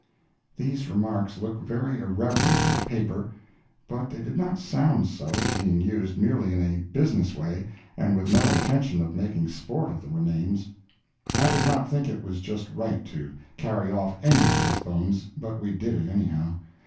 These remarks look very irreverent on paper, but they did not sound so, being used merely in a business way and with no intention of making sport of the remains. I did not think it was just right to carry off any of these bones, but we did it, anyhow.